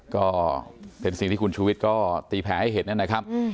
ก็เป็นสิ่งที่คุณชูวิตตีแผลให้เห็นนั่นนะครับ